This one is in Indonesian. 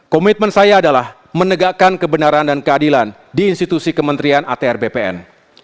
komitmen saya adalah menegakkan kebenaran dan keadilan di institusi kementerian atr bpn